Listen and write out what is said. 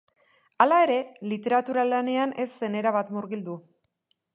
Hala ere, literatura lanean ez zen erabat murgildu.